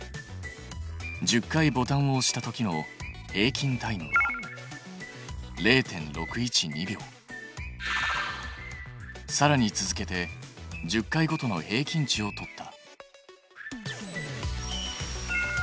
１０回ボタンを押したときの平均タイムはさらに続けて１０回ごとの平均値を取った。